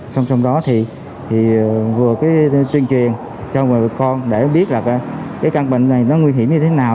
xong xong đó vừa tuyên truyền cho bà con để biết căn bệnh này nguy hiểm như thế nào